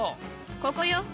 ここよ。